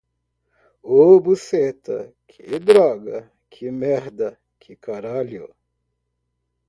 O buceta, que droga, que merda, que caralho